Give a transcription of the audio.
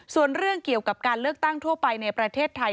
ส่วนเรื่องเกี่ยวกับการเลือกตั้งทั่วไปในประเทศไทย